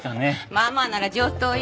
まあまあなら上等よ。